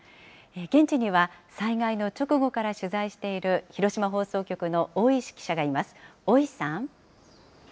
現地には、災害の直後から取材している、広島放送局の大石記者がいます。